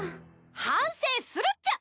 反省するっちゃ！